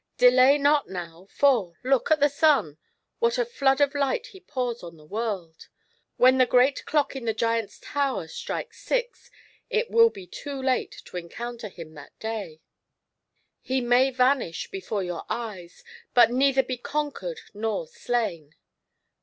Delay not now, for, look at the sun, what a flood of light he pours on the world ! When the great clock in the giant's tower strikes six, it will be too late to encounter him that day; he may vanish before your eyes, but neither be conquered nor slain.